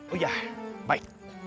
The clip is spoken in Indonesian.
oh iya baik